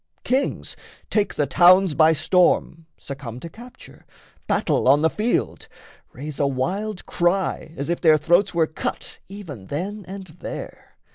Kings take the towns by storm, Succumb to capture, battle on the field, Raise a wild cry as if their throats were cut Even then and there.